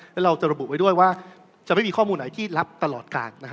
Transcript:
แล้วเราจะระบุไว้ด้วยว่าจะไม่มีข้อมูลไหนที่รับตลอดการ